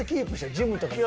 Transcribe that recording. ジムとか？